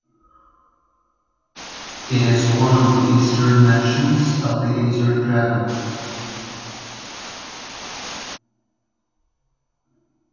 It is one of the eastern mansions of the Azure Dragon.